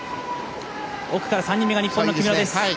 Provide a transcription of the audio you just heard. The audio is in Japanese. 奥から３人目が日本の木村です。